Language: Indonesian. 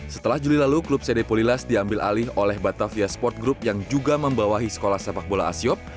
setelah juli lalu klub cd polilas diambil alih oleh batavia sport group yang juga membawahi sekolah sepak bola asiop